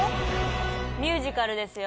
ミュージカルですよ。